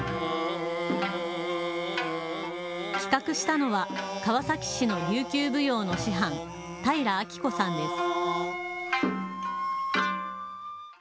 企画したのは川崎市の琉球舞踊の師範、平明子さんです。